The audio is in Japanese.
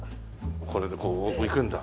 これでこういくんだ。